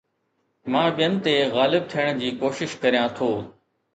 مان ٻين تي غالب ٿيڻ جي ڪوشش ڪريان ٿو